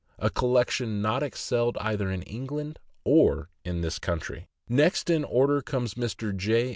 a collection not excelled either in England or in this country. Next in order comes Mr. J.